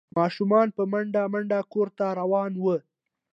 ماشومان په منډه منډه کور ته روان وو۔